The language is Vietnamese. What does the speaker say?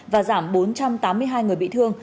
và giảm bốn trăm tám mươi hai người bị thương